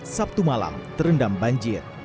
sabtu malam terendam banjir